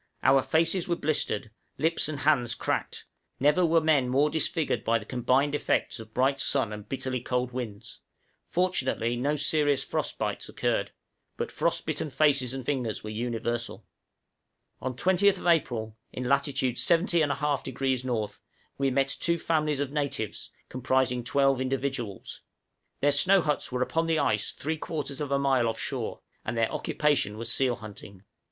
Our faces were blistered, lips and hands cracked, never were men more disfigured by the combined effects of bright sun and bitterly cold winds; fortunately no serious frost bites occurred, but frost bitten faces and fingers were universal. {MEET OLD ACQUAINTANCE.} On the 20th April, in latitude 70 1/2° N., we met two families of natives, comprising twelve individuals; their snow huts were upon the ice three quarters of a mile off shore, and their occupation was seal hunting.